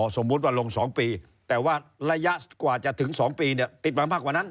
สมมุติว่าลง๒ปีแต่ว่าระยะกว่าจะถึง๒ปีเนี่ยติดมามากกว่านั้น